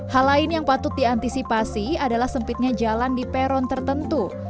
hal lain yang patut diantisipasi adalah sempitnya jalan di peron tertentu